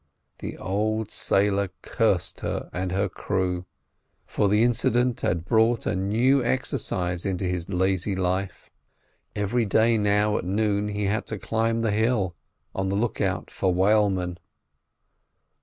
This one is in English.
The old sailor cursed her and her crew, for the incident had brought a new exercise into his lazy life. Every day now at noon he had to climb the hill, on the look out for whalemen.